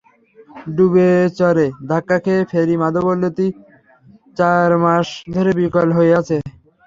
ডুবোচরে ধাক্কা খেয়ে ফেরি মাধবীলতা চার মাস ধরে বিকল হয়ে আছে।